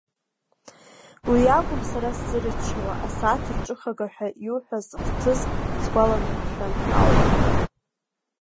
Уи акәым сара сзырччауа, асааҭ рҿыхага ҳәа иуҳәаз хҭыск сгәаланаршәан ауп.